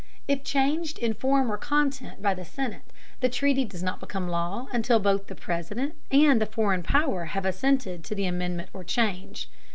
If changed in form or content by the Senate the treaty does not become law until both the President and the foreign power have assented to the amendment or change.